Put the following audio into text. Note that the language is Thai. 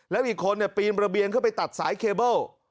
แล้วอีกคนปีนระเบียงเข้าไปตัดสายเคเบิ้ล